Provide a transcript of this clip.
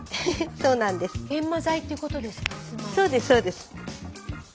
そうですそうです。